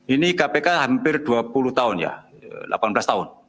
ini kpk hampir dua puluh tahun ya delapan belas tahun